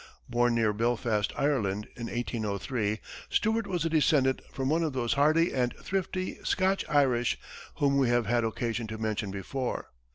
Born near Belfast, Ireland, in 1803, Stewart was a descendant from one of those hardy and thrifty Scotch Irish, whom we have had occasion to mention before.